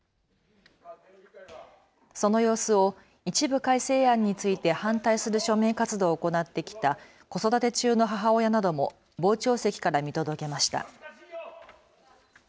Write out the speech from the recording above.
その様子を一部改正案について反対する署名活動を行ってきた子育て中の母親なども傍聴席から見届けました。